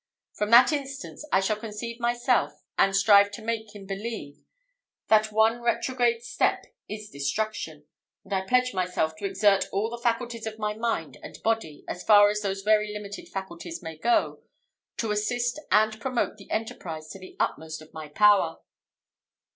From that instant I shall conceive myself, and strive to make him believe, that one retrograde step is destruction; and I pledge myself to exert all the faculties of my mind and body, as far as those very limited faculties may go, to assist and promote the enterprise to the utmost of my power."